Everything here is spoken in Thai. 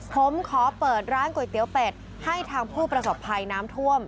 ผมขอเปิดร้านก๋วยเตี๋ยวเป็ดให้ทางผู้ประสบภัยน้ำท่วม